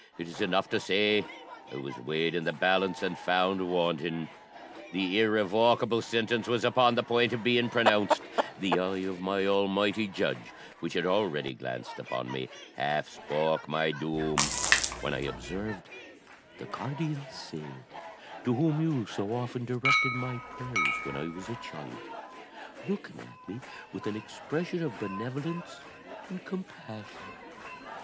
It is enough to say, I was weighed in the balance, and found wanting. The irrevocable sentence was upon the point of being pronounced; the eye of my Almighty Judge, which had already glanced upon me, half spoke my doom; when I observed the guardian saint, to whom you so often directed my prayers when I was a child, looking at me with an expression of benevolence and compassion.